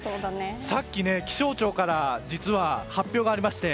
さっき気象庁から実は発表がありまして